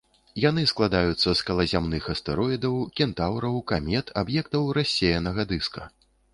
Яны складаюцца з калязямных астэроідаў, кентаўраў, камет, аб'ектаў рассеянага дыска.